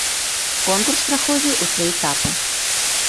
Конкурс праходзіў у тры этапы.